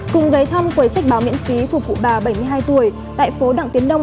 cùng gấy thăm cuối sách báo miễn phí phục vụ bà bảy mươi hai tuổi tại phố đặng tiến đông